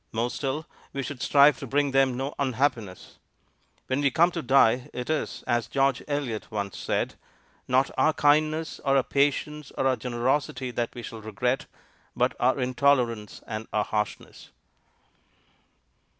More still, we should strive to bring them no unhappiness. When we come to die, it is, as George Eliot once said, not our kindness or our patience or our generosity that we shall regret, but our intolerance and our harshness.